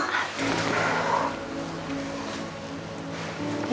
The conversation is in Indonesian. udah makan belum